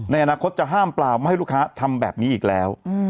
ในอนาคตจะห้ามเปล่าไม่ให้ลูกค้าทำแบบนี้อีกแล้ว